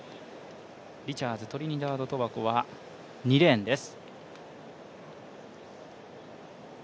リチャーズ、トリニダード・トバゴは２レーンです。